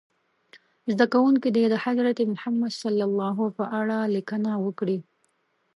زده کوونکي دې د حضرت محمد ص په اړه لیکنه وکړي.